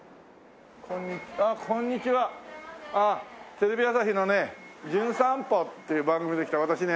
テレビ朝日のね『じゅん散歩』っていう番組で来た私ね